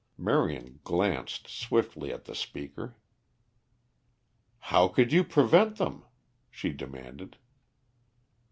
Marion glanced swiftly at the speaker. "How could you prevent them?" she demanded.